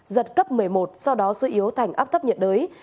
giật cấp một mươi một sau đó suy yếu thành áp thấp nhiệt đới